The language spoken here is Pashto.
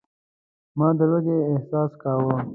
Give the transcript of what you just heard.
ما د لوږې احساس کاوه.